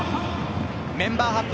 メンバー発表